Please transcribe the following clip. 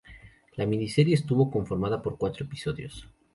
La miniserie estuvo conformada por cuatro episodios.